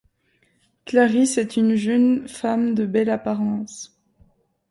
Clarice est une jeune femme de belle apparence.